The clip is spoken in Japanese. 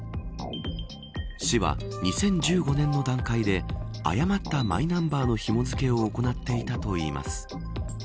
市は、２０１５年の段階で誤ったマイナンバーのひも付けを行っていたといいます。